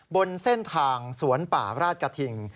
บนเส้นทางสวนป่าราชกระทิง